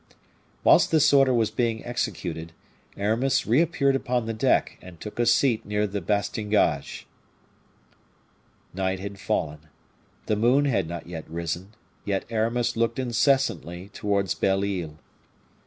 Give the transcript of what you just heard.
Whilst this order was being executed, Aramis reappeared upon the deck, and took a seat near the bastingage. Night had fallen; the moon had not yet risen, yet Aramis looked incessantly towards Belle Isle.